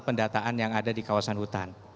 pendataan yang ada di kawasan hutan